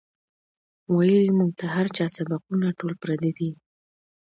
وئیلـي مونږ ته هـر چا سبقــونه ټول پردي دي